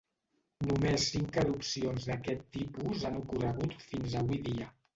Només cinc erupcions d'aquest tipus han ocorregut fins avui dia.